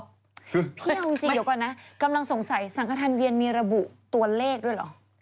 พี่เอาจริงเดี๋ยวก่อนนะกำลังสงสัยสังขทานเวียนมีระบุตัวเลขด้วยเหรอ